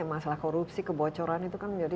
masalah korupsi kebocoran itu kan menjadi